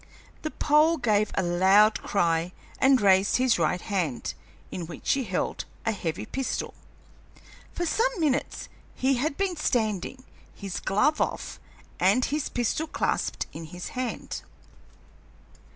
The Pole gave a loud cry and raised his right hand, in which he held a heavy pistol. For some minutes he had been standing, his glove off, and this pistol clasped in his hand.